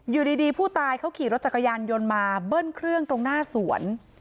อยู่ดีผู้ตายเขาขี่รถจักรยานยนต์มาเบิ้ลเครื่องตรงหน้าสวน